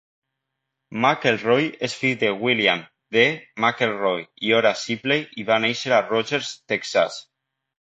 McElroy és fill de William D. McElroy i Ora Shipley i va néixer a Rogers, Texas.